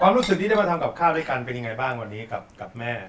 รู้สึกที่ได้มาทำกับข้าวด้วยกันเป็นยังไงบ้างวันนี้กับแม่